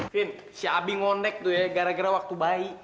vin si abi ngonek tuh ya gara gara waktu bayi